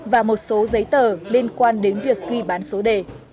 và một số giấy tờ liên quan đến việc ghi bán số đề